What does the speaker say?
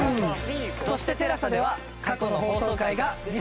そしてＴＥＬＡＳＡでは過去の放送回が見放題です。